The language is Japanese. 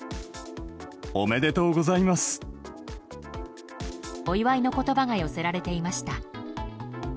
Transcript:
お祝いの言葉が寄せられていました。